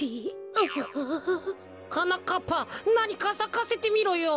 はなかっぱなにかさかせてみろよ。